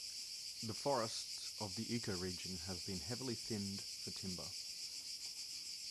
The forests of the ecoregion have been heavily thinned for timber.